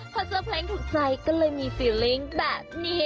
พอเจอเพลงถูกใจก็เลยมีฟิลลิ่งแบบนี้